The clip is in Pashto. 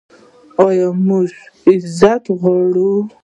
آیا موږ عزت غواړو؟